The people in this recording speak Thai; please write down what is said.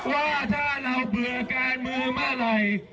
ว่าถ้าเราเบื่อการเมืองเมื่อไหร่